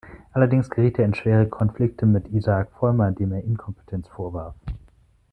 Allerdings geriet er in schwere Konflikte mit Isaak Volmar, dem er Inkompetenz vorwarf.